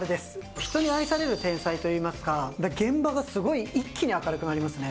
人に愛される天才といいますか、現場がすごい一気に明るくなりますね。